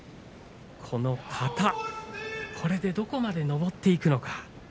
この型これでどこまで上っていくのか